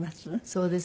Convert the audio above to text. そうですね。